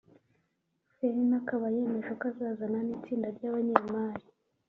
fellner akaba yemeje ko azazana n’itsinda ry’abanyemari